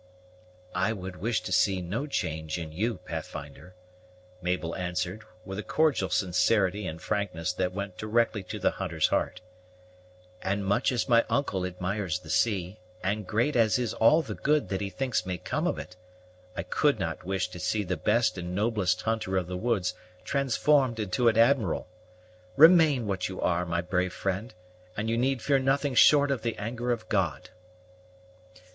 "I would wish to see no change in you, Pathfinder," Mabel answered, with a cordial sincerity and frankness that went directly to the hunter's heart; "and much as my uncle admires the sea, and great as is all the good that he thinks may come of it, I could not wish to see the best and noblest hunter of the woods transformed into an admiral. Remain what you are, my brave friend, and you need fear nothing short of the anger of God."